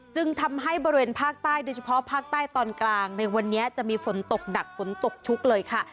จึงทำให้บริเวณภาคใต้โดยเฉพาะภาคใต้ตอนกลางในวันนี้จะมีฝนตกหนักฝนตกชุกเลยค่ะ